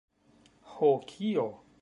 Ho kio?